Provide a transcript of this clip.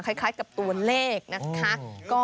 คล้ายกับตัวเลขนะคะ